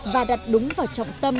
và đặt đúng vào trọng cơ